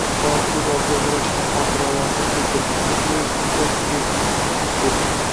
To ko`z oldiga g`ira-shira xotiralarini keltirguncha poezd Tokiga kirib keldi